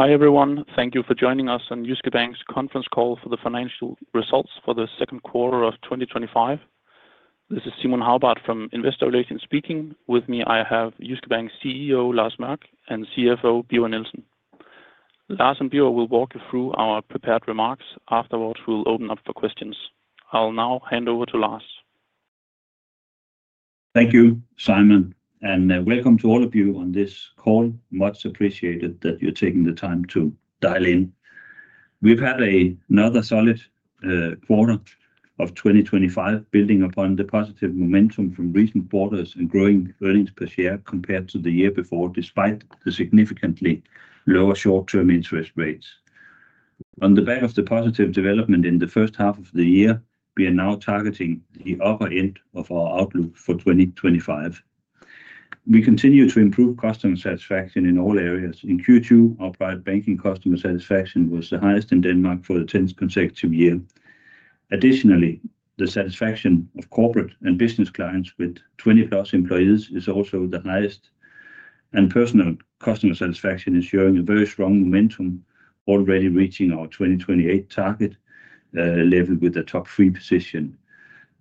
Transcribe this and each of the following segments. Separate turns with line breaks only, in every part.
Hi everyone. Thank you for joining us on Jyske Bank's Conference Call for the Financial Results for the Second Quarter of 2025. This is Simon Hagbart from Investor Relations speaking. With me, I have Jyske Bank CEO Lars Mørch and CFO Birger Nielsen. Lars and Birger will walk you through our prepared remarks. Afterwards we'll open up for questions. I'll now hand over to Lars.
Thank you, Simon, and welcome to all of you on this call. Much appreciated that you're taking the time to dial in. We've had another solid quarter of 2025, building upon the positive momentum from recent quarters and growing earnings per share compared to the year before, despite the significantly lower short-term interest rates. On the back of the positive development in the first half of the year, we are now targeting the upper end of our outlook for 2025. We continue to improve customer satisfaction in all areas. In Q2, Private Banking customer satisfaction was the highest in Denmark for the 10th consecutive year. Additionally, the satisfaction of corporate and business clients with 20+ employees is also the highest, and personal customer satisfaction is showing a very strong momentum, already reaching our 2028 target level with a top three position.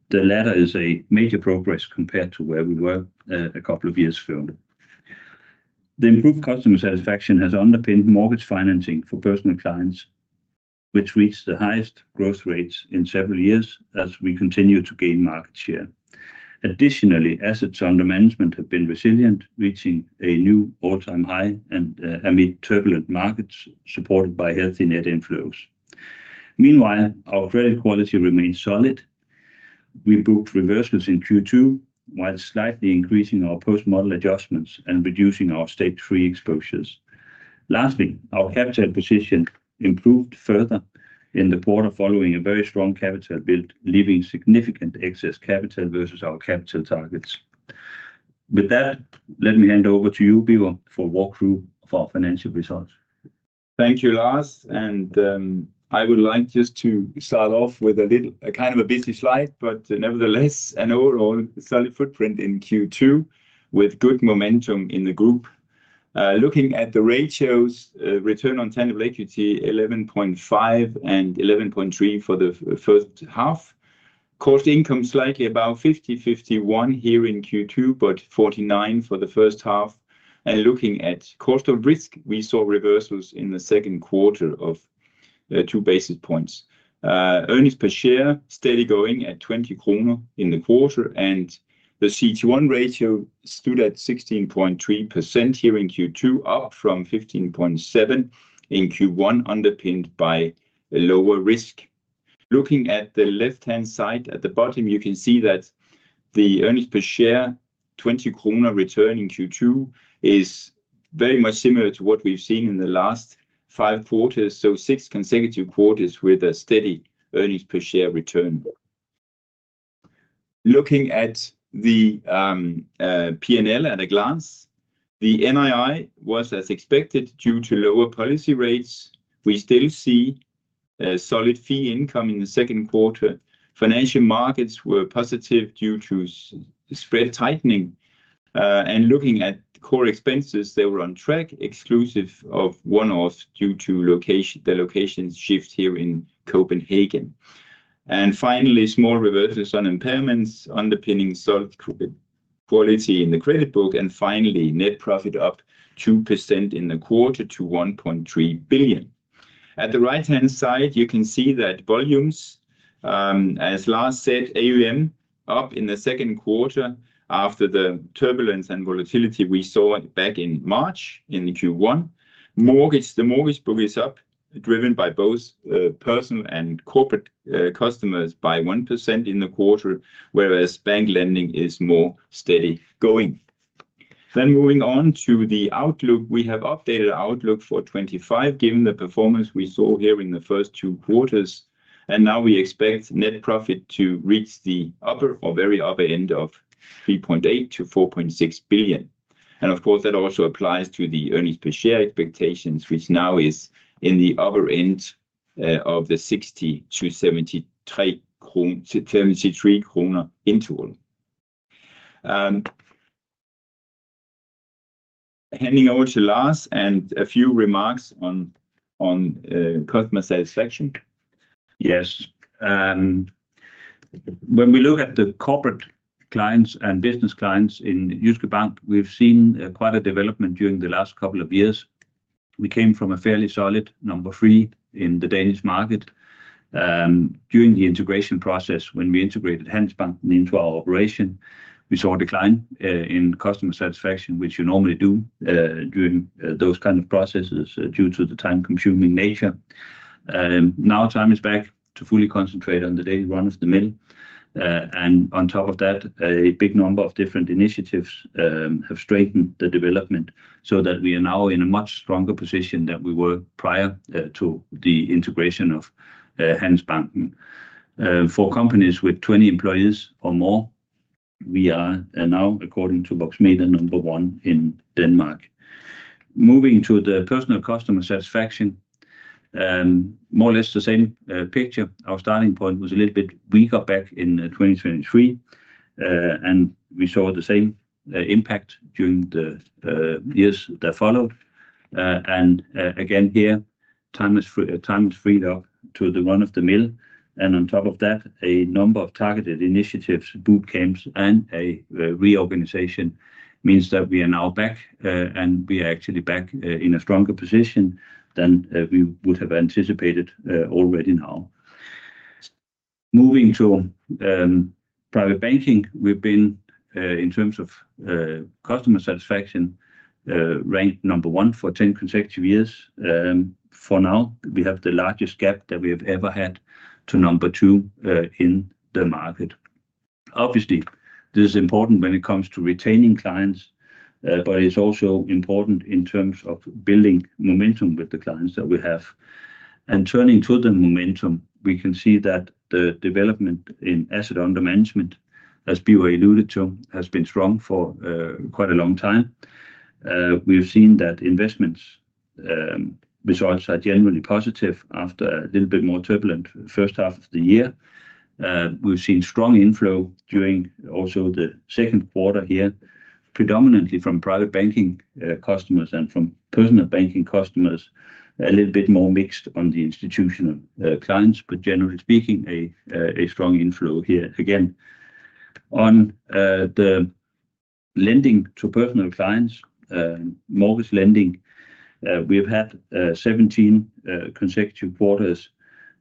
The latter is a major progress compared to where we were a couple of years ago. The improved customer satisfaction has underpinned mortgage financing for personal clients, which reached the highest growth rates in several years as we continue to gain market share. Additionally, assets under management have been resilient, reaching a new all-time high amid turbulent markets, supported by healthy net inflows. Meanwhile, our credit quality remains solid. We booked reversals in Q2 while slightly increasing our post-model adjustments and reducing our Stage 3 exposures. Lastly, our capital position improved further in the quarter following a very strong capital build, leaving significant excess capital versus our capital targets. With that, let me hand over to you, Birger, for a walkthrough of our financial results.
Thank you, Lars, and I would like just to start off with a little kind of a busy slide, but nevertheless an overall solid footprint in Q2 with good momentum in the group. Looking at the ratios, return on tangible equity 11.5% and 11.3% for the first half. Cost income slightly above 50%-51% here in Q2, but 49% for the first half, and looking at cost of risk, we saw reversals in Q2, 2 basis points. Earnings per share steady, going at 20 kroner in the quarter, and the CET1 ratio stood at 16.3% here in Q2, up from 15.7% in Q1, underpinned by a lower risk. Looking at the left-hand side at the bottom, you can see that the earnings per share 20 kroner return in Q2 is very much similar to what we've seen in the last five quarters, so six consecutive quarters with a steady earnings per share return. Looking at the P&L at a glance, the NII was as expected due to lower policy rates. We still see solid fee income in the second quarter. Financial markets were positive due to the spread tightening, and looking at core expenses, they were on track exclusive of one-offs due to the location shifts here in Copenhagen. Finally, small reversals on impairments underpinning solid quality in the credit book. Finally, net profit up 2% in the quarter to 1.3 billion. At the right-hand side, you can see that volumes, as Lars said, AUM up in the second quarter after the turbulence and volatility we saw back in March in Q1. The mortgage book is up, driven by both personal and corporate customers by 1% in the quarter, whereas bank lending is more steady going. Moving on to the outlook, we have updated our outlook for 2025 given the performance we saw here in the first two quarters. We now expect net profit to reach the upper or very upper end of 3.8 billion-4.6 billion. Of course, that also applies to the earnings per share expectations, which now is in the other end of the 60-73 kroner interval. Handing over to Lars and a few remarks on customer satisfaction.
Yes, and when we look at the corporate clients and business clients in Jyske Bank, we've seen quite a development during the last couple of years. We came from a fairly solid number three in the Danish market during the integration process. When we integrated Handelsbanken into our operation, we saw a decline in customer satisfaction, which you normally do during those kinds of processes due to the time-consuming nature. Now time is back to fully concentrate on the day one of the mill. On top of that, a big number of different initiatives have strengthened the development so that we are now in a much stronger position than we were prior to the integration of Handelsbanken. For companies with 20 employees or more, we are now, according to Voxmeter, number one in Denmark. Moving to the personal customer satisfaction, more or less the same picture. Our starting point was a little bit weaker back in 2023 and we saw the same impact during the years that follow. Again, here time has freed up to the run of the mill and on top of that a number of targeted initiatives, boot camps, and a reorganization means that we are now back and we are actually back in a stronger than we would have anticipated already. Now moving to private banking, we've been in terms of customer satisfaction ranked number one for 10 consecutive years. For now we have the largest gap that we have ever had to number two in the market. Obviously this is important when it comes to retaining clients, but it's also important in terms of building momentum with the clients that we have. Turning to the momentum, we can see that the development in assets under management, as Birger alluded to, has been strong for quite a long time. We've seen that investment results are generally positive after a little bit more turbulent first half of the year. We've seen strong inflow during also the second quarter here, predominantly from private banking customers and from personal banking customers, a little bit more mixed on the institutional clients, but generally speaking a strong inflow here. Again, on the lending to personal clients, mortgage lending, we have had 17 consecutive quarters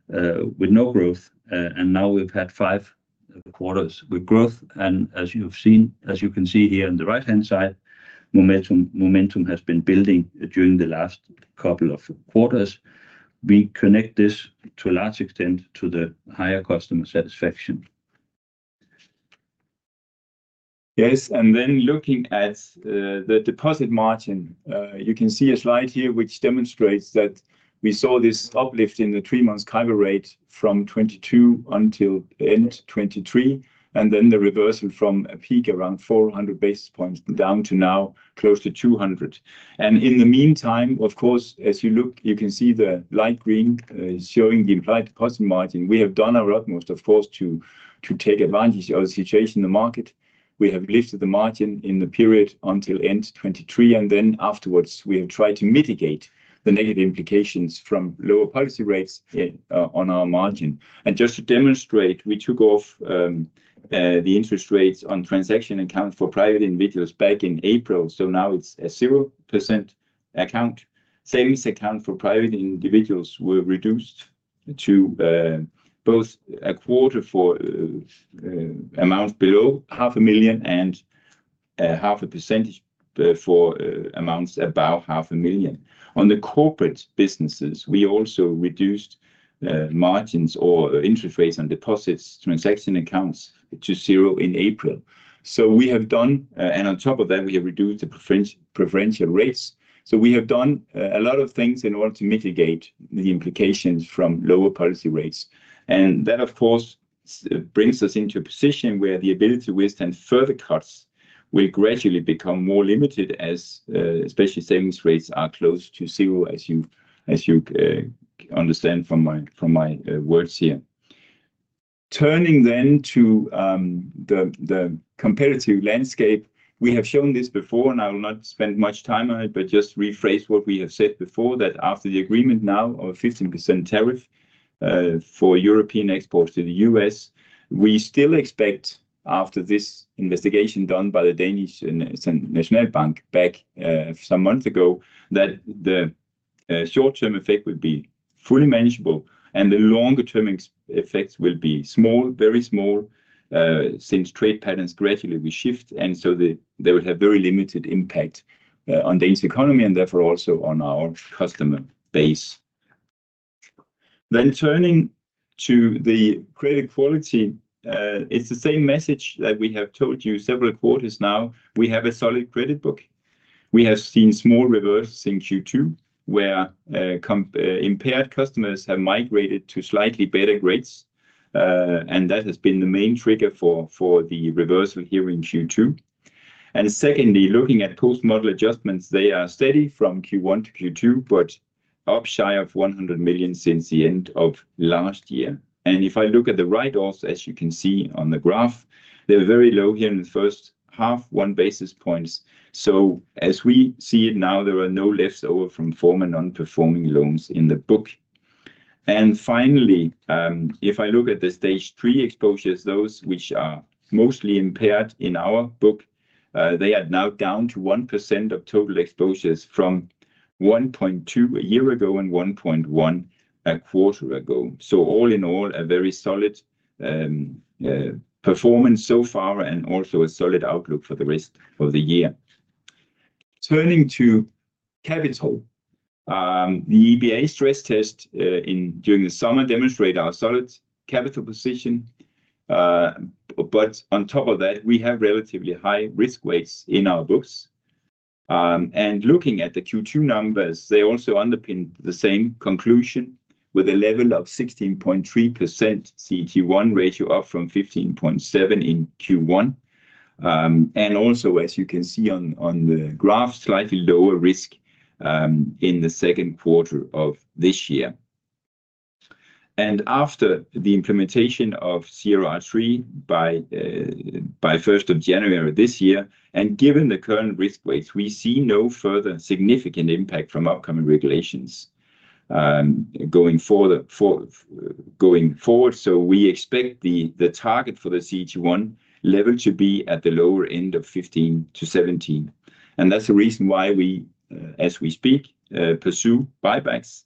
with no growth. Now we've had five quarters with growth. As you can see here on the right-hand side, momentum has been building during the last couple of quarters. We connect this to a large extent to the higher customer satisfaction.
Yes. Looking at the deposit margin, you can see a slide here which demonstrates that we saw this uplift in the three months CIBOR rate from 2022 until the end of 2023 and then the reversal from a peak around 400 basis points down to now close to 200 basis points. In the meantime, of course, as you look, you can see the light green showing the implied deposit margin. We have done our utmost, of course, to take advantage of the situation in the market. We have lifted the margin in the period until end 2023 and afterwards we try to mitigate the negative implications from lower policy rates on our margin. Just to demonstrate, we took off the interest rates on transaction accounts for private individuals back in April, so now it's a 0% account. Savings accounts for private individuals were reduced to both a 0.25% for amounts below DKK 500,000 and 0.5% for amounts above 500,000. On the corporate businesses, we also reduced margins or interest rates on deposit transaction accounts to zero in April. We have done, and on top of that, we have reduced the preferential risk. We have done a lot of things in order to mitigate the implications from lower policy rates. That, of course, brings us into a position where the ability to withstand further cuts will gradually become more limited, as especially savings rates are close to zero, as you understand from my words here. Turning to the competitive landscape, we have shown this before and I will not spend much time on it. Just to rephrase what we have said before, after the agreement now of 15% tariff for European exports to the U.S., we still expect, after this investigation done by the Danish National Bank back some months ago, that the short-term effect will be fully manageable and the longer-term effects will be small, very small. Since trade patterns gradually shift, they will have very limited impact on the Danish economy and therefore also on our customer base. Turning to the credit quality, it's the same message that we have told you several quarters now. We have a solid credit book. We have seen small reversals in Q2 where impaired customers have migrated to slightly better grades. That has been the main trigger for the reversal here in Q2. Secondly, looking at post-model adjustments, they are steady from Q1 to Q2, but up shy of 100 million since the end of last year. If I look at the write-offs, as you can see on the graph, they're very low here in the first half, 1 basis point. As we see now, there are no leftover from former non-performing loans in the book. Finally, if I look at the stage 3 exposures, those which are mostly impaired in our book, they are now down to 1% of total exposures from 1.2% a year ago and 1.1% a quarter ago. All in all, a very solid performance so far and also a solid outlook for the rest of the year. Turning to capital, the EBA stress test during the summer demonstrates our solid capital position. On top of that, we have relatively high risk weights in our books. Looking at the Q2 numbers, they also underpin the same conclusion with a level of 16.3% CET1 ratio, up from 15.7% in Q1. Also, as you can see on the graph, slightly lower risk in the second quarter of this year after the implementation of CRR3 by January 1st of this year. Given the current risk weights, we see no further significant impact from upcoming regulations going forward. We expect the target for the CET1 level to be at the lower end of 15%-17%. That's the reason why we, as we speak, pursue buybacks.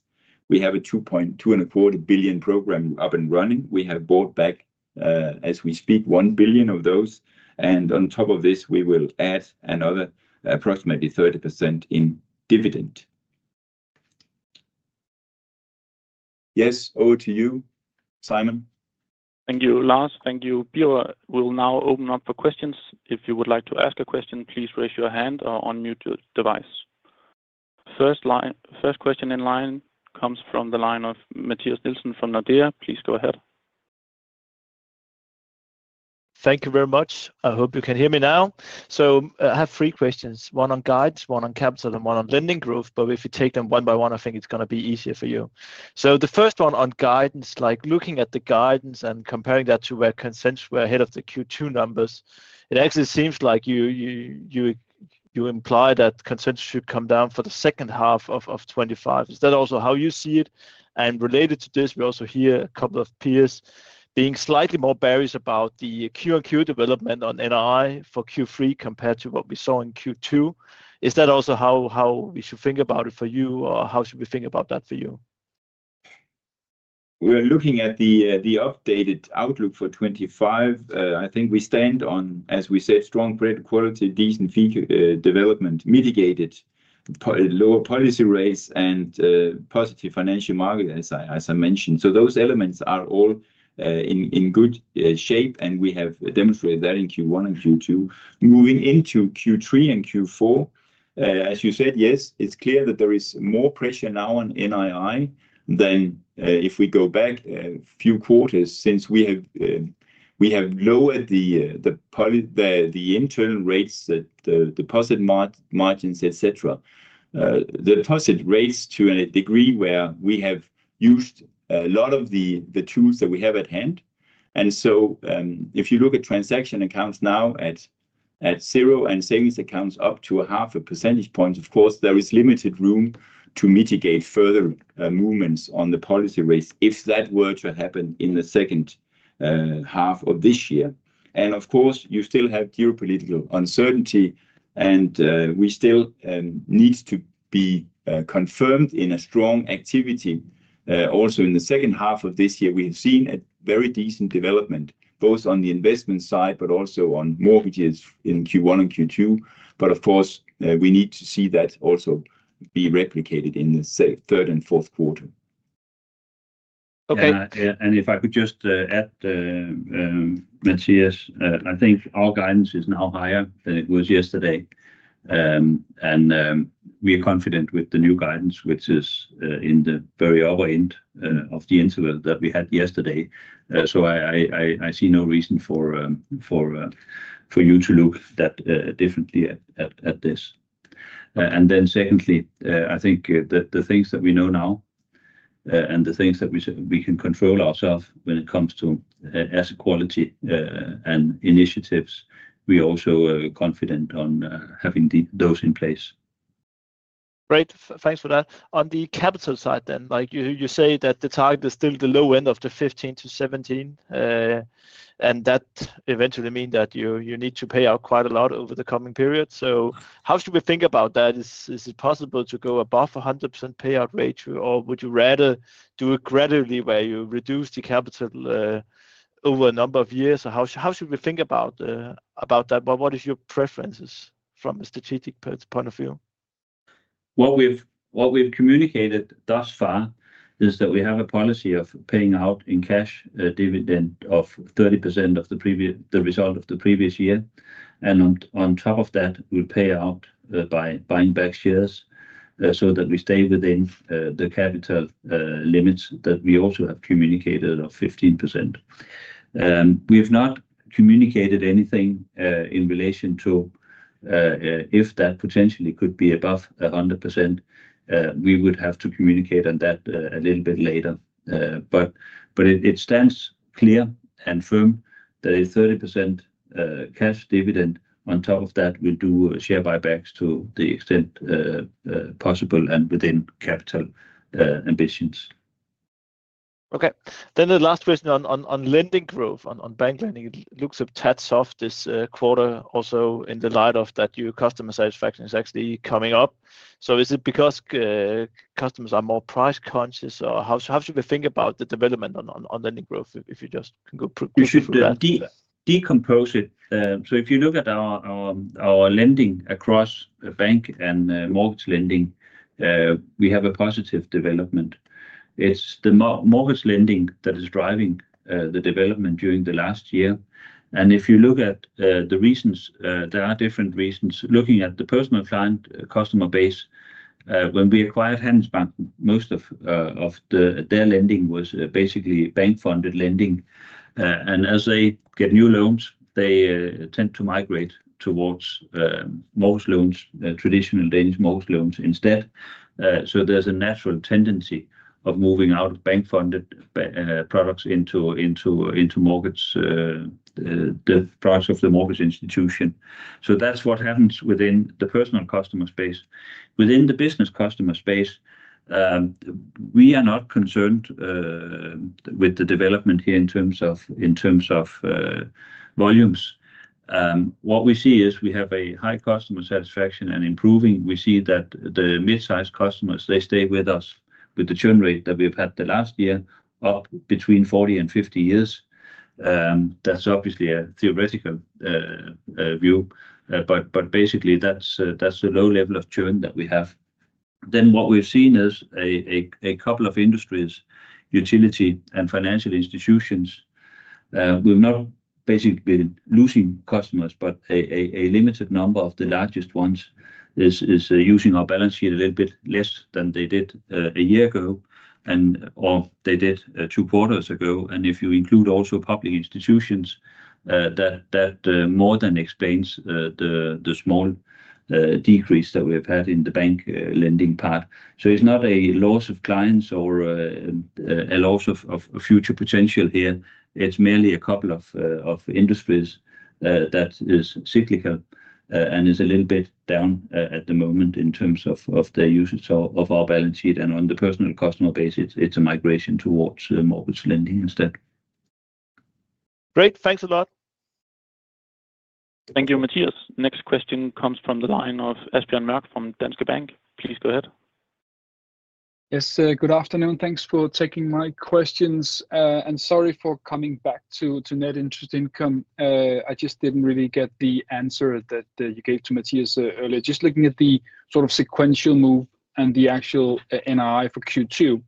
We have a 2.25 billion program up and running. We have bought back, as we speak, 1 billion of those. On top of this, we will add another approximately 30% in dividend. Yes. Over to you, Simon.
Thank you, Lars. Thank you. Birger will now open up for questions. If you would like to ask a question, please raise your hand or unmute your device. First question in line comes from the line of Mathias Nielsen from Nordea. Please go ahead.
Thank you very much. I hope you can hear me now. I have three questions, one on guidance, one on capital, and one on lending growth. If you take them one by one, I think it's going to be easier for you. The first one on guidance, looking at the guidance and comparing that to where consensus were ahead of the Q2 numbers, it actually seems like you imply that consensus should come down for the second half of 2025. Is that also how you see it? Related to this, we also hear a couple of peers being slightly more bearish about the Q-on-Q development on NII for Q3 compared to what we saw in Q2. Is that also how we should think about it for you, or how should we think about that for you?
We are looking at the updated outlook for 2025. I think we stand on, as we said, strong credit quality, decent feature development, mitigated lower policy rates, and positive financial market, as I mentioned. Those elements are all in good shape. We have demonstrated that in Q1 and Q2, moving into Q3 and Q4, as you said. Yes, it's clear that there is more pressure now on NII than if we go back a few quarters since we have lowered the internal rates, the deposit margins, etc., the deposit raised to a degree where we have used a lot of the tools that we have at hand. If you look at transaction accounts now at 0% and savings accounts up to 0.5%, of course there is limited room to mitigate further movements on the policy risk if that were to happen in the second half of this year. Of course, you still have geopolitical uncertainty and we still need to be confirmed in a strong activity also in the second half of this year. We have seen a very decent development, both on the investment side, but also on mortgages in Q1 and Q2. Of course, we need to see that also be replicated in the third and fourth quarter.
Okay.
If I could just add, Mathias, I think our guidance is now higher than it was yesterday. We are confident with the new guidance, which is in the very other end of the interval that we had yesterday. I see no reason for you to look that differently at this. Secondly, I think that the things that we know now and the things that we can control ourselves when it comes to asset quality and initiatives, we are also confident on having those in place.
Great. Thanks for that on the capital side. You say that the target is still the low end of the 15%-17% and that eventually means that you need to pay out quite a lot over the coming period. How should we think about that? Is it possible to go above 100% payout ratio or would you rather do it gradually where you reduce the capital over a number of years? How should we think about that? What is your preference from a strategic point of view?
What we've communicated thus far is that we have a policy of paying out in cash a dividend of 30% of the result of the previous year. On top of that, we pay out by buying back shares so that we stay within the capital limits that we also have communicated of 15%. We have not communicated anything in relation to if that potentially could be above 100%. We would have to communicate on that a little bit later. It stands clear and firm that a 30% cash dividend, on top of that we do share buybacks to the extent possible and within capital ambitions.
Okay, the last question on lending growth on bank lending, it looks a tad soft this quarter. Also, in the light of that, new customer satisfaction is actually coming up. Is it because customers are more price conscious, or how should we think about the development on lending growth?
If you just, you should decompose it. If you look at our lending across bank and mortgage lending, we have a positive development. It's the mortgage lending that is driving the development during the last year. If you look at the reasons, there are different reasons. Looking at the personal client customer base, when we acquired Handelsbanken, most of their lending was basically bank funded lending. As they get new loans, they tend to migrate towards most loans, traditional Danish mortgage loans instead. There's a natural tendency of moving out of bank funded products into mortgage, the products of the mortgage institution. That's what happens within the personal customer space. Within the business customer space, we are not concerned with the development here in terms of volumes. What we see is we have a high customer satisfaction and improving. We see that the mid sized customers, they stay with us with the churn rate that we've had the last year up between 40-50 years. That's obviously a theoretical view, but basically that's the low level of churn that we have then. What we've seen is a couple of industries, utility and financial institutions, we've not basically been losing customers, but a limited number of the largest ones is using our balance sheet a little bit less than they did a year ago or they did two quarters ago. If you include also public institutions, that more than explains the small decrease that we have had in the bank lending part. It's not a loss of clients or a loss of future potential here. It's merely a couple of industries that is cyclical and is a little bit down at the moment in terms of the usage of our balance sheet and on the personal customer base, it's a migration towards mortgage lending instead.
Great, thanks a lot.
Thank you, Mathias. Next question comes from the line of Asbjørn Mørk from Danske Bank. Please go ahead.
Yes, good afternoon. Thanks for taking my questions and sorry for coming back to net interest income. I just didn't really get the answer that you gave to Mathias earlier. Just looking at the sort of sequential move and the actual NII for Q2,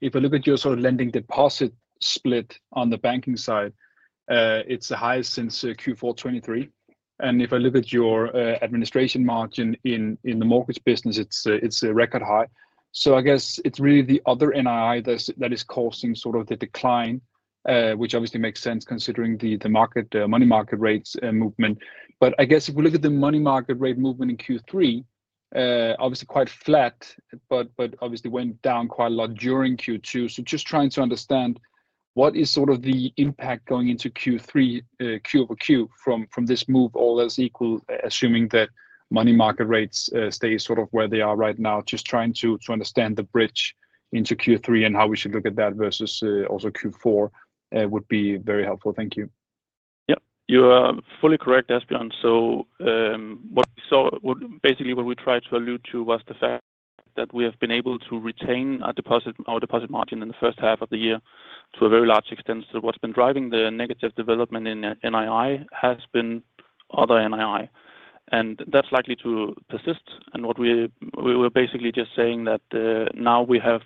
if I look at your sort of lending deposit split on the banking side, it's the highest since Q4 2023, and if I look at your administration margin in the mortgage business, it's a record high. I guess it's really the other NII that is causing sort of the decline, which obviously makes sense considering the money market rates movement. If we look at the money market rate movement in Q3, obviously quite flat, but went down quite a lot during Q2. Just trying to understand what is sort of the impact going into Q3 Q-over-Q from this move. All else equal, assuming that money market rates stay sort of where they are right now. Just trying to understand the bridge into Q3 and how we should look at that versus also Q4 would be very helpful, thank you.
Yes, you are fully correct, Asbjørn. What we saw, basically what we tried to allude to was the fact that we have been able to retain our deposit margin in the first half of the year to a very large extent. What's been driving the negative development in NII has been other NII and that's likely to persist. What we were basically just saying is that now we have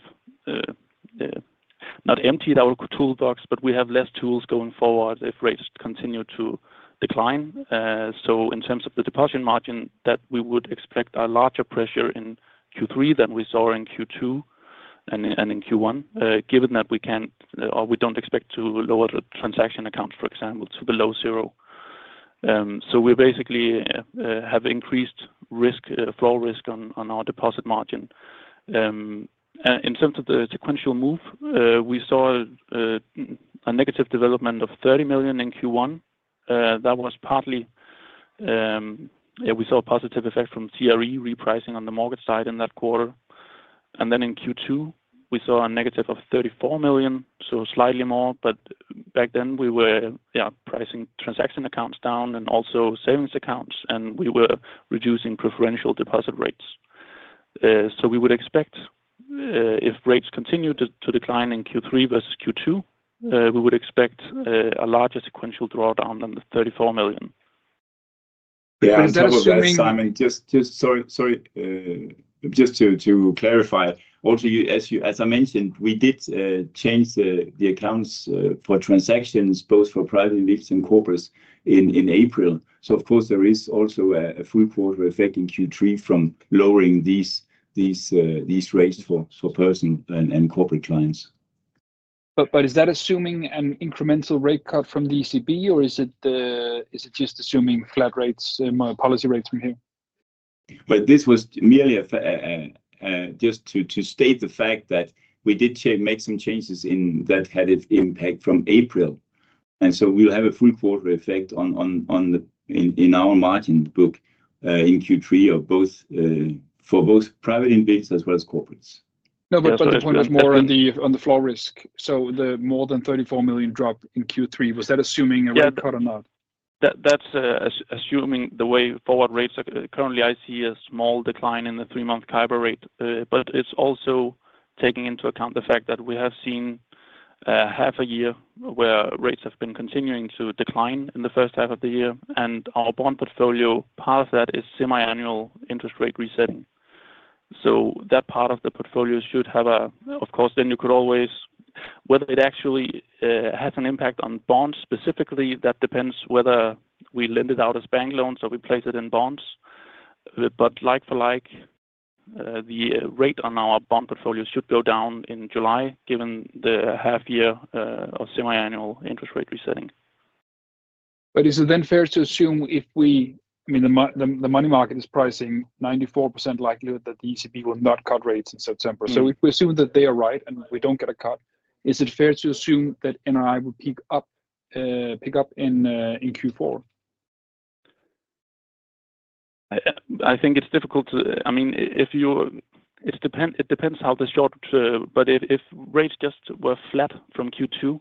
not emptied our toolbox, but we have fewer tools going forward if rates continue to decline. In terms of the deposit margin, we would expect a larger pressure in Q3 than we saw in Q2 and in Q1, given that we can or we don't expect to lower the transaction account, for example, to below zero. We basically have increased risk flow risk on our deposit margin. In terms of the sequential move, we saw a negative development of 30 million in Q1. That was partly because we saw a positive effect from repricing on the mortgage side in that quarter and then in Q2 we saw a negative of 34 million, so slightly more, but back then we were pricing transaction accounts down and also savings accounts and we were reducing preferential deposit rates. We would expect if rates continue to decline in Q3 versus Q2, we would expect a larger sequential drawdown than the 34 million.
Simon, just to clarify, also as I mentioned, we did change the accounts for transactions both for private clients and corporates in April. Of course, there is also a full quarter effect in Q3 from lowering these rates for personal and corporate clients.
Is that assuming an incremental rate cut from the ECB, or is it just assuming flat policy rates from here?
This was merely just to state the fact that we did make some changes that had its impact from April, and we'll have a full quarter effect in our margin book in Q3 for both private index as well as corporates.
No, the point is more on the floor risk. The more than 34 million drop in Q3, was that assuming a red card or not?
That's assuming the way forward rates are currently. I see a small decline in the three-month CIBOR rate, but it's also taking into account the fact that we have seen half a year where rates have been continuing to decline in the first half of the year, and our bond portfolio, part of that is semiannual interest rate resetting, so that part of the portfolio should have a. Of course, you could always question whether it actually has an impact on bonds specifically. That depends on whether we lend it out as bank loans or we place it in bonds, but like for like, the rate on our bond portfolio should go down in July given the half year of semiannual interest rate resetting.
Is it then fair to assume if we, I mean the money market is pricing 94% likelihood that the ECB will not cut rates in September, if we assume that they are right and we don't get a cut, is it fair to assume that NII will pick up in Q4?
I think it's difficult to. I mean, if you. It depends. It depends how the short term, but if rates just were flat from Q2,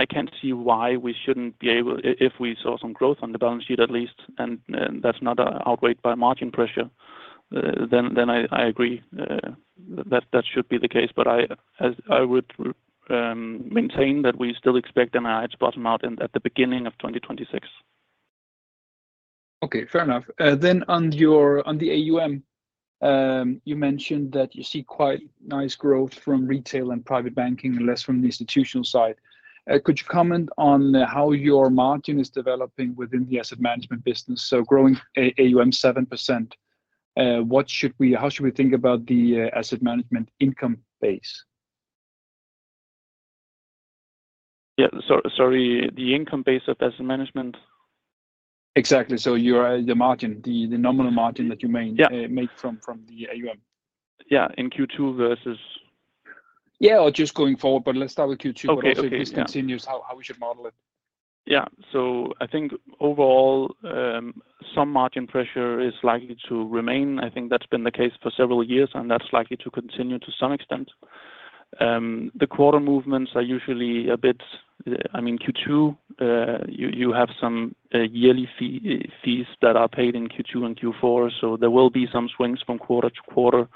I can't see why we shouldn't be able, if we saw some growth on the balance sheet at least and that's not outweighed by margin pressure, then I agree that that should be the case. I would maintain that we still expect NII bought margin at the beginning of 2026.
Okay, fair enough. On the AUM, you mentioned that you see quite nice growth from retail and private banking, less from the institutional side. Could you comment on how your margin is developing within the asset management business? Growing AUM 7%. How should we think about the asset management income base?
Sorry, the income base of asset management.
Exactly. You are the margin, the nominal margin that you may make from the AUM.
Yeah, in Q2 versus.
Yeah. Let's start with Q2. If this continues, how should we model it going forward?
I think overall some margin pressure is likely to remain. I think that's been the case for several years and that's likely to continue to some extent. The quarter movements are usually a bit, I mean Q2 you have some yearly fees that are paid in Q2 and Q4. There will be some swings from quarter to quarter.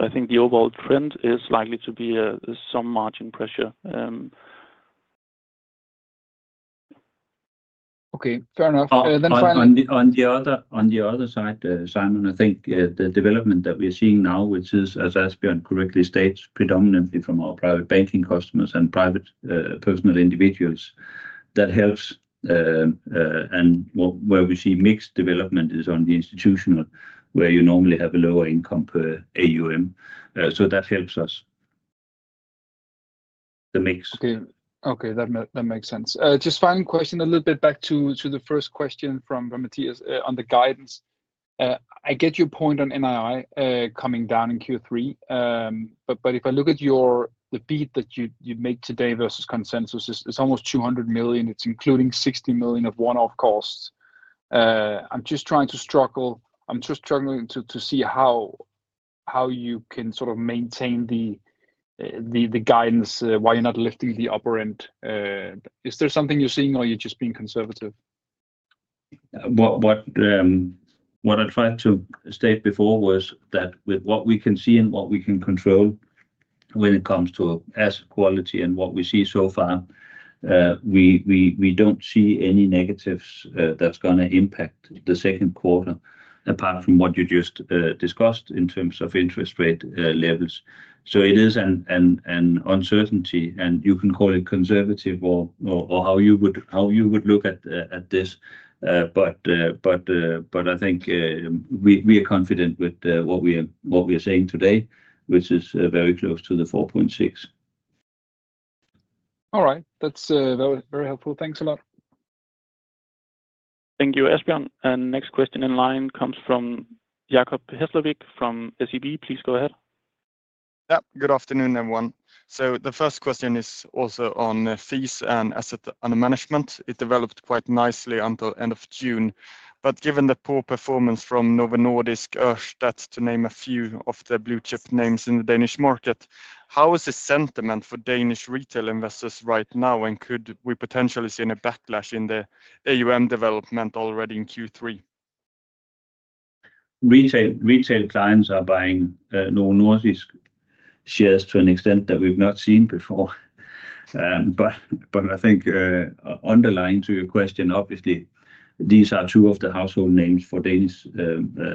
I think the overall trend is likely to be some margin pressure.
Okay, fair enough.
On the other side, Simon, I think the development that we're seeing now, which is, as Asbjørn correctly stated, predominantly from our private banking custom and private personal individuals, helps. Where we see mixed development is on the institutional, where you normally have a lower income per AUM. That helps us, the mix.
Okay, that makes sense. Just final question a little bit back to the first question from the guidance. I get your point on NII coming down in Q3, but if I look at your, the beat that you make today versus consensus is almost 200 million. It's including 60 million of one-off costs. I'm just struggling to see how you can sort of maintain the guidance, why you're not lifting the upper end. Is there something you're seeing or you're just being conservative?
What I'd find to state before was that with what we can see and what we can control when it comes to asset quality and what we see so far, we don't see any negatives that's going to impact the second quarter apart from what you just discussed in terms of interest rate levels. It is an uncertainty, and you can call it conservative or how you would look at this, but I think we are confident with what we are saying today, which is very close to the 4.6 billion.
All right, that's very helpful. Thanks a lot.
Thank you, Asbjørn. The next question in line comes from Jacob Hesslevik from SEB, please go ahead.
Good afternoon everyone. The first question is also on fees and asset under management. It developed quite nicely until end of June. Given the poor performance from Novo Nordisk, that's to name a few of the blue chip names in the Danish market, how is the sentiment for Danish retail investors right now and could we potentially see a backlash in the AUM development already in Q3?
Retail clients are buying no Nordea shares to an extent that we've not seen before. I think underlying to your question, obviously these are two of the household names for Danish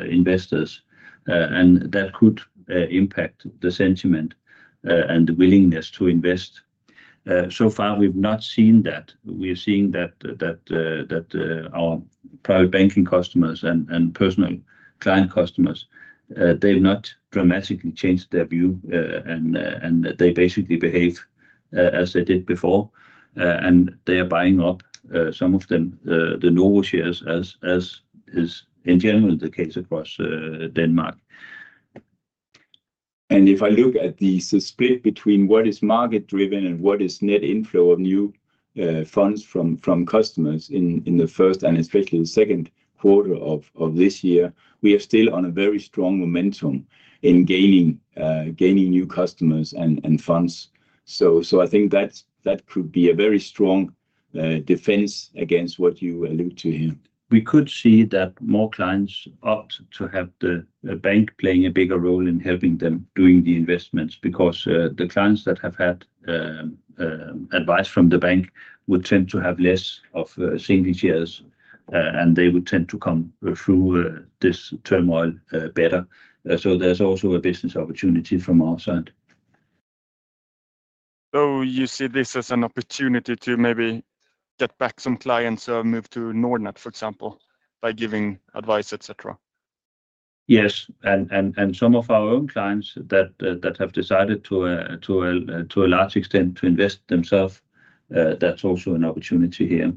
investors and that could impact the sentiment and the willingness to invest. So far we've not seen that. We're seeing that our private banking customers and personal client customers, they've not dramatically changed their view and they basically behave as they did before and they are buying up some of them, the Nordea shares, as is in general the case across Denmark.
If I look at the split between what is market driven and what is net inflow of new funds from customers in the first and especially the second quarter of this year, we are still on a very strong momentum in gaining new customers and funds. I think that could be a very strong defense against what you allude to here.
We could see that more clients ought to have the bank playing a bigger role in helping them doing the investments, because the clients that have had advice from the bank would tend to have less of single shares, and they would tend to come through this turmoil better. There is also a business opportunity from our side.
You see this as an opportunity to maybe get back some clients who moved to Nordnet, for example, by giving advice, etc.
Yes, some of our own clients that have decided to a large extent to invest themselves. That's also an opportunity here.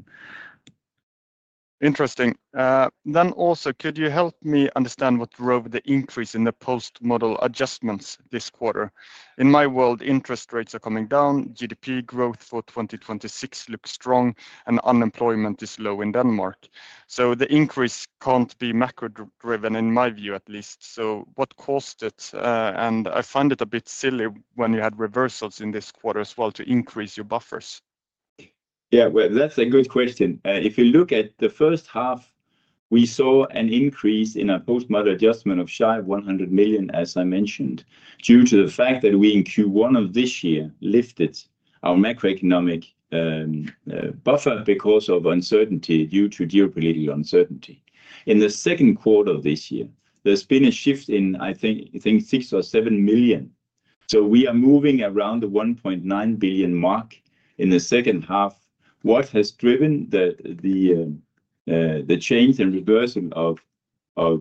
Interesting. Could you help me understand what drove the increase in the post-model adjustments this quarter? In my world, interest rates are coming down, GDP growth for 2026 looks strong, and unemployment is low in Denmark. The increase can't be macro driven in my view at least. What caused it? I find it a bit silly when you had reversals in this quarter as well to increase your buffers.
Yeah, that's a good question. If you look at the first half, we saw an increase in our post-model adjustment of shy of 100 million, as I mentioned, due to the fact that we in Q1 of this year lifted our macroeconomic buffer because of uncertainty due to geopolitical uncertainty. In the second quarter of this year, there's been a shift in, I think, 6 million or 7 million. We are moving around the 1.9 billion mark in the second half. What has driven that? The change and reversal of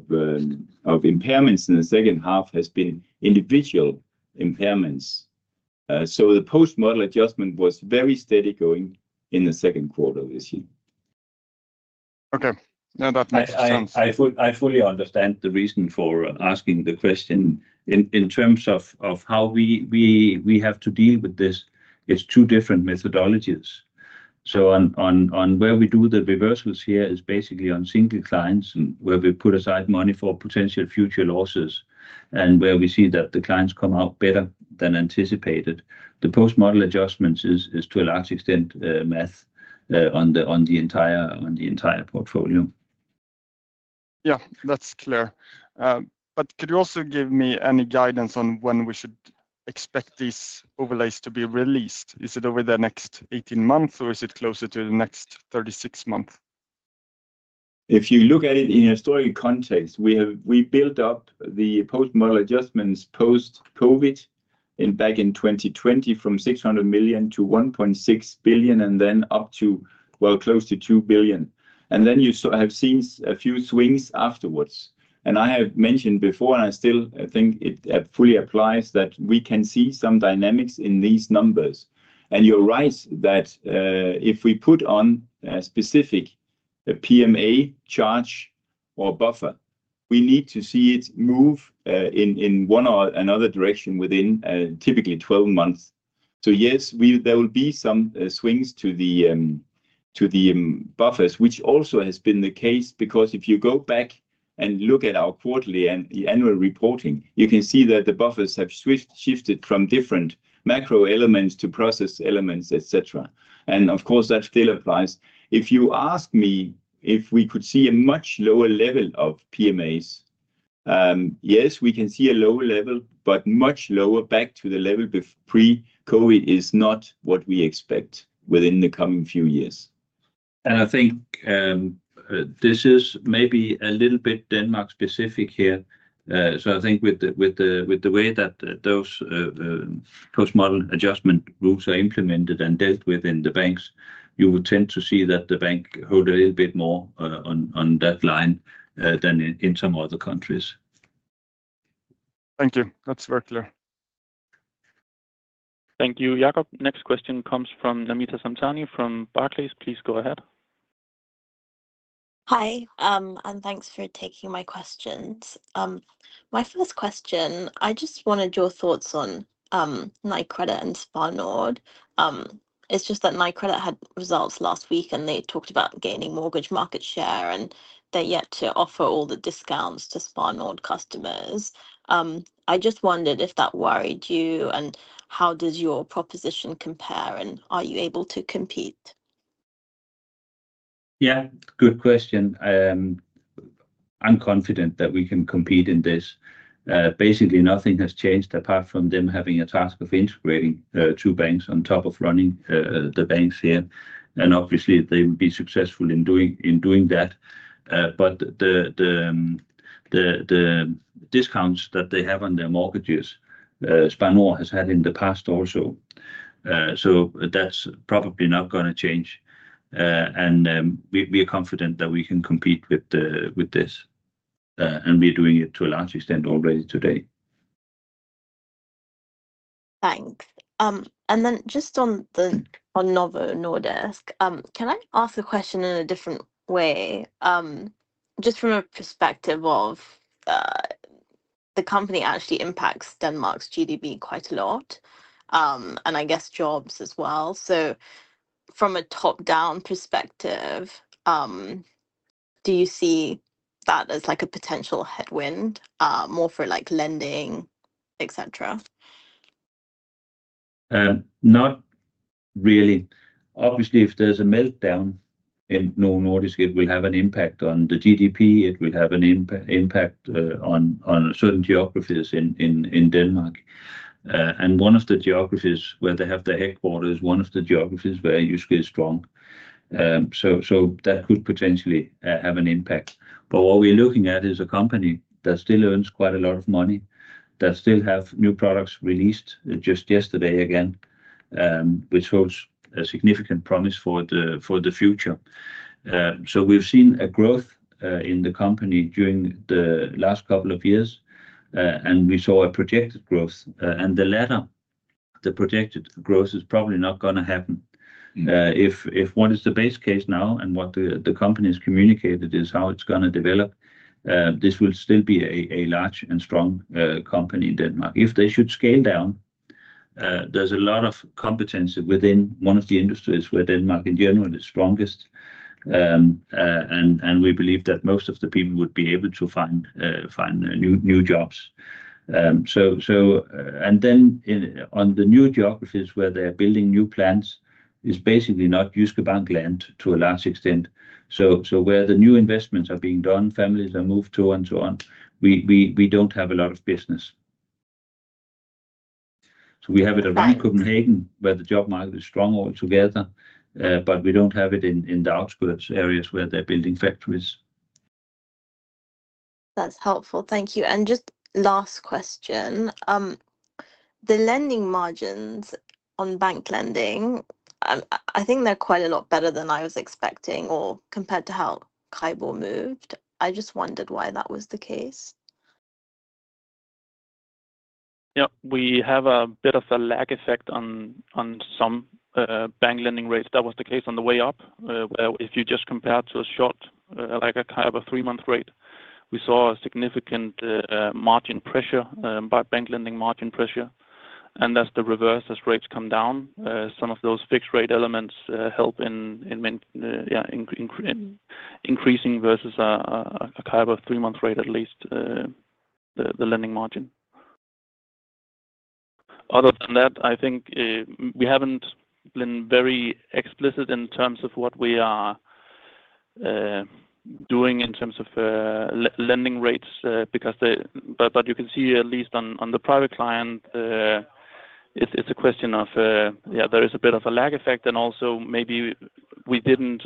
impairments in the second half has been individual impairments. The post-model adjustment was very steady going in the second quarter this year.
Okay, now that makes sense.
I fully understand the reason for asking the question in terms of how we have to deal with this. It's two different methodologies. Where we do the reversals here is basically on single clients and where we put aside money for potential future losses and where we see that the clients come out better than anticipated. The post-model adjustments is to a large extent math on the entire portfolio.
Yeah, that's clear. Could you also give me any guidance on when we should expect these overlays to be released? Is it over the next 18 months or is it closer to the next 36 months?
If you look at it in historical context, we built up the post-model adjustments post-Covid back in 2020 from 600 million to 1.6 billion and then up to, well, close to 2 billion. You have seen a few swings afterwards. I have mentioned before, and I still think it fully applies, that we can see some dynamics in these numbers. You're right that if we put on a specific PMA charge or buffer, we need to see it move in one or another direction within typically 12 months. Yes, there will be some swings to the buffers, which also has been the case. If you go back and look at our quarterly and annual reporting, you can see that the buffers have shifted from different macro elements to process elements, etc. Of course, that still applies. If you ask me if we could see a much lower level of PMAs, yes, we can see a lower level, but much lower back to the level pre-Covid is not what we expect within the coming few years.
I think this is maybe a little bit Denmark specific here. I think with the way that those post-model adjustment rules are implemented and dealt with in the banks, you would tend to see that the bank hold a little bit more on that line than in some other countries.
Thank you, that's very clear.
Thank you, Jacob. Next question comes from Namita Samtani from Barclays. Please go ahead.
Hi and thanks for taking my questions. My first question, I just wanted your thoughts on Nykredit and Spar Nord. It's just that Nykredit had results last week and they talked about gaining mortgage market share and they're yet to offer all the discounts to Spar Nord customers. I just wondered if that worried you and how does your proposition compare and are you able to compete?
Yeah, good question. I'm confident that we can compete in this. Basically, nothing has changed apart from them having a task of integrating two banks on top of running the banks here. Obviously, they will be successful in doing that. The discounts that they have on their mortgages, Spar Nord has had in the past also. That's probably not going to change. We are confident that we can compete with this, and we're doing it to a large extent already today.
Thanks. Just on the Novo Nordisk, can I ask the question in a different way? Just from a perspective of the company actually impacts Denmark's GDP quite a lot and I guess jobs as well. From a top down perspective, do you see that as like a potential headwind, more for like lending, et cetera?
Not really. Obviously, if there's a meltdown in [Novo Nordisk], it will have an impact on the GDP. It will have an impact on certain geographies in Denmark. One of the geographies where they have the headquarters is one of the geographies where you feel strong. That could potentially have an impact. What we're looking at is a company that still earns quite a lot of money, that still has new products released just yesterday again, which holds a significant promise for the future. We've seen a growth in the company during the last couple of years, and we saw a projected growth. The latter, the projected growth, is probably not going to happen. If what is the base case now and what the company has communicated is how it's going to develop, this will still be a large and strong company in Denmark if they should scale down. There's a lot of competency within one of the industries where Denmark in general is strongest, and we believe that most of the people would be able to find new jobs. On the new geographies where they're building new plants, it's basically not Jyske Bank land to a large extent. Where the new investments are being done, families are moved to and so on, we don't have a lot of business. We have it around Copenhagen where the job market is strong altogether, but we don't have it in the outskirts areas where they're building factories.
That's helpful, thank you. Just last question, the lending margins on bank lending, I think they're quite a lot better than I was expecting or compared to how CIBOR moved. I just wondered why that was the case.
Yep, we have a bit of a lag effect on some bank lending rates. That was the case on the way up. If you just compare to a short, like a kind of a three-month rate, we saw significant margin pressure, bank lending margin pressure, and that's the reverse. As rates come down, some of those fixed rate elements help in increasing versus a three-month rate, at least the lending margin. Other than that, I think we haven't been very explicit in terms of what we are doing in terms of lending rates because you can see, at least on the private client, it's a question of there is a bit of a lag effect and also maybe we didn't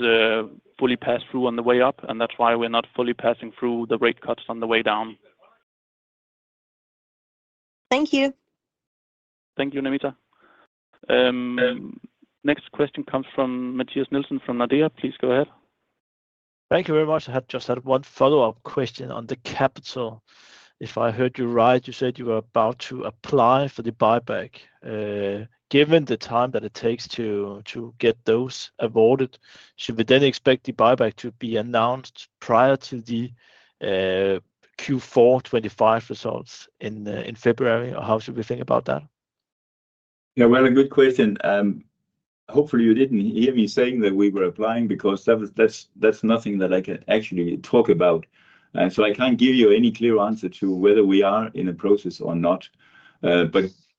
fully pass through on the way up and that's why we're not fully passing through the rate cuts on the way down.
Thank you.
Thank you, Namita. Next question comes from Mathias Nielsen from Nordea. Please go ahead.
Thank you very much. I have just had one follow-up question on the capital. If I heard you right, you said you are about to apply for the buyback. Given the time that it takes to get those awarded, should we then expect the buyback to be announced prior to the Q4 2025 results in February, or how should we think about that?
A good question. Hopefully you didn't hear me saying that we were applying because that's nothing that I can actually talk about. I can't give you any clear answer to whether we are in a process or not.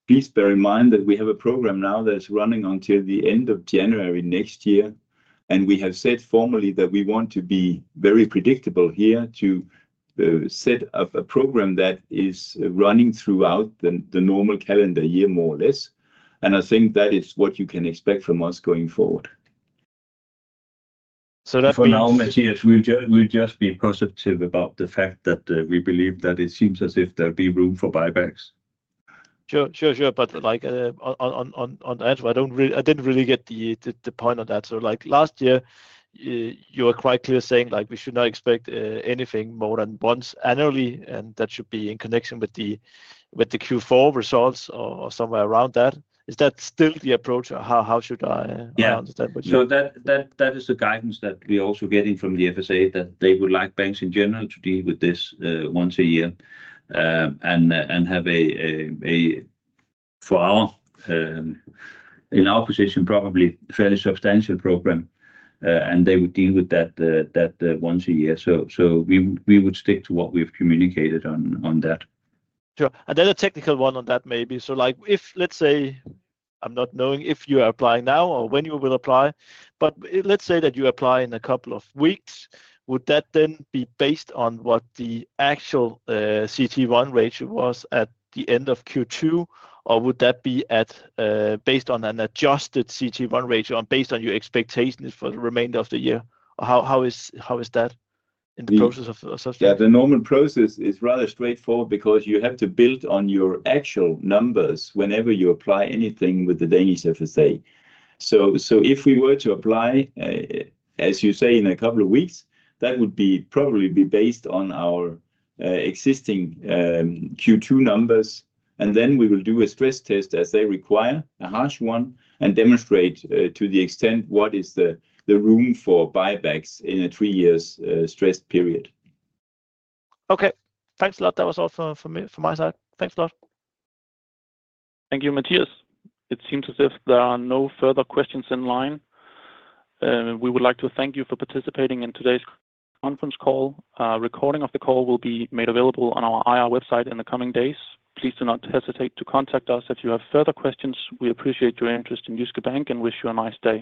Please bear in mind that we have a program now that is running until the end of January next year, and we have said formally that we want to be very predictable here to set up a program that is running throughout the normal calendar year, more or less. I think that is what you can expect from us going forward.
For now, Mathias, we'll just be positive about the fact that we believe that it seems as if there'll be room for buybacks.
Sure. I didn't really get the point on that. Last year you were quite clear saying we should not expect anything more than once annually, and that should be in connection with the Q4 results or somewhere around that. Is that still the approach, or how should I understand what you mean?
That is the guidance that we are also getting from the FSA, that they would like banks in general to deal with this once a year and have a trial in our position, probably a fairly substantial program, and they would deal with that once a year. We would stick to what we've communicated on that.
Sure. I have a technical one on that. If, let's say, I'm not knowing if you are applying now or when you will apply, but let's say that you apply in a couple of weeks. Would that then be based on what the actual CET1 ratio was at the end of Q2, or would that be based on an adjusted CET1 ratio and based on your expectations for the remainder of the year? How is that in the process?
Yeah, the normal process is rather straightforward because you have to build on your actual numbers whenever you apply anything with the Danish FSA. If we were to apply, as you say, in a couple of weeks, that would probably be based on our existing Q2 numbers. We will do a stress test as they require, a harsh one, and demonstrate to the extent what is the room for buybacks in a three years stressed period.
Okay, thanks a lot. That was all from my side. Thanks a lot.
Thank you, Mathias. It seems as if there are no further questions in line. We would like to thank you for participating in today's conference call. Recording of the call will be made available on our IR website in the coming days. Please do not hesitate to contact us if you have further questions. We appreciate your interest in Jyske Bank and wish you a nice day.